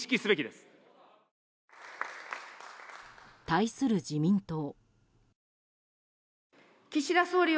対する自民党。